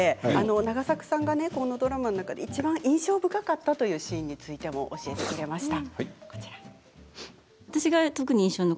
永作さんがこのドラマの中でいちばん印象深かったというシーンについても教えてくれました。